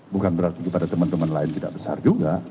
bukan berarti kepada teman teman lain tidak besar juga